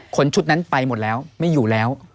คนชุดนั้นไปหมดแล้วไม่อยู่แล้ว